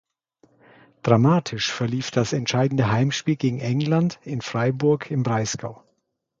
Dramatisch verlief das entscheidende Heimspiel gegen England in Freiburg im Breisgau.